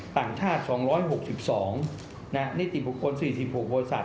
ต่างชาติ๒๖๒นิติบุคคล๔๖บริษัท